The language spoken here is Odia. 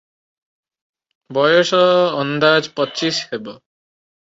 ବୟସ ଅନ୍ଦାଜ ପଚିଶ ହେବ ।